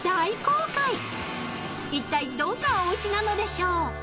［いったいどんなおうちなのでしょう？］